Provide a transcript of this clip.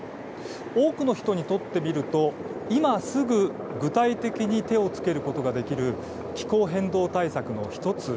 多くの人にとってみると今すぐ具体的に手をつけることができる気候変動対策の１つ。